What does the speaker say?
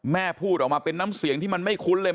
แม่พูดออกมาเป็นน้ำเสียงที่มันไม่คุ้นเลย